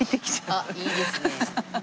あっいいですね。